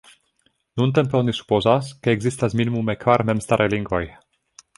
Nuntempe oni supozas, ke ekzistas minimume kvar memstaraj lingvoj.